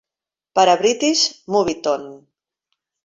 Per a British Movietone.